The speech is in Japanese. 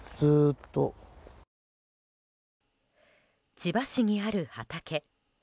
千葉市にある畑。